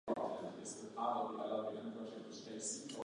Da sopra, la coda è chiara con tre barre scure vicino alla base.